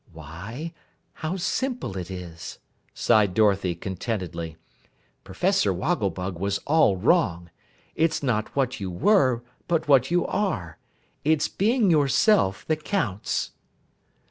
"Why, how simple it is!" sighed Dorothy contentedly. "Professor Wogglebug was all wrong. It's not what you were, but what you are it's being yourself that counts."